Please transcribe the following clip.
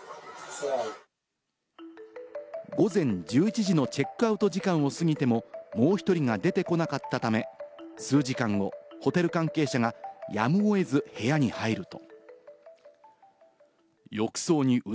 午前１１時のチェックアウト時間を過ぎても、もう１人が出てこなかったため、数時間後、ホテル関係者がやむを得ず部屋に入ると。